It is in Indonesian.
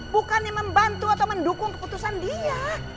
bukannya membantu atau mendukung keputusan dia